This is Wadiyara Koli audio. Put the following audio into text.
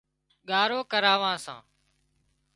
ڳارو ڪراوان سان